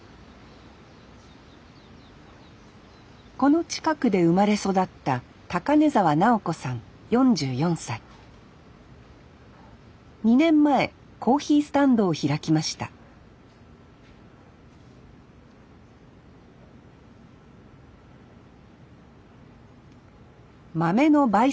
この近くで生まれ育った２年前コーヒースタンドを開きました豆のばい